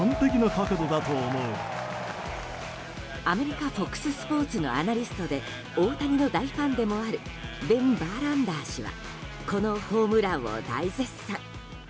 アメリカＦＯＸスポーツのアナリストで大谷の大ファンでもありベン・バーランダー氏はこのホームランを大絶賛。